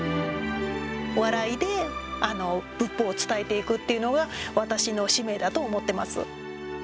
お笑いで仏法を伝えていくっていうのが私の使命だと思ってます。